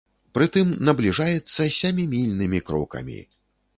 Прытым набліжаецца сямімільнымі крокамі.